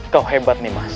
kau hebat nih mas